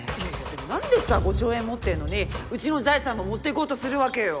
なんでさ５兆円持ってるのにうちの財産も持って行こうとするわけよ？